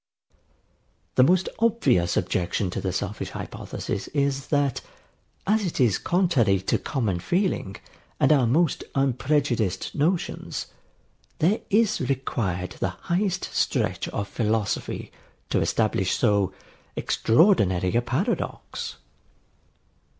] The most obvious objection to the selfish hypothesis is, that, as it is contrary to common feeling and our most unprejudiced notions, there is required the highest stretch of philosophy to establish so extraordinary a paradox.